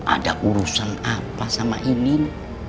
ada urusan apa sama ingin